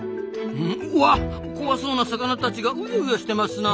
うわっ怖そうな魚たちがウヨウヨしてますな。